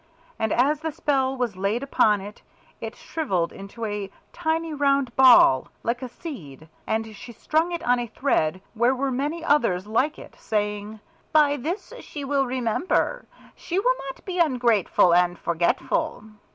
And as the spell was laid upon it, it shrivelled into a tiny round ball like a seed, and she strung it on a thread where were many others like it, saying, "By this she will remember. She will not be ungrateful and forgetful."